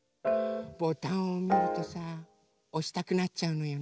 ボタンをみるとさおしたくなっちゃうのよね。